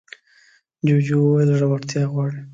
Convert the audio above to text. جوجو وویل زړورتيا غواړي.